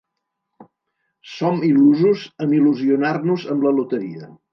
Som il·lusos en il·lusionar-nos amb la loteria.